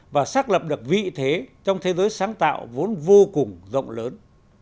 và xác lập được vị thế trong thế giới sáng tạo vốn vô cùng rộng lớn